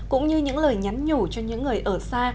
cũng như những lời nhắn nhủ cho những người ở xa